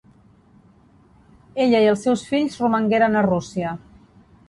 Ella i els seus fills romangueren a Rússia.